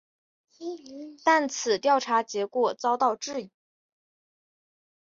但此调查结果遭到质疑。